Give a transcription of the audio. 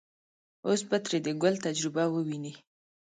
اوس به ترې د ګل تجربه وويني.